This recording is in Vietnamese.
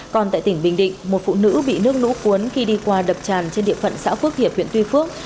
còn tại tỉnh bình định một phụ nữ bị nước lũ cuốn khi đi qua đập tràn trên địa phận xã phước hiệp huyện tuy phước